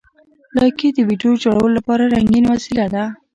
لایکي د ویډیو جوړولو لپاره رنګین وسیله ده.